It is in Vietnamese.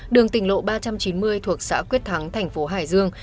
đường tỉnh lộ ba trăm chín mươi thuộc xã quyết thắng thành phố hải dương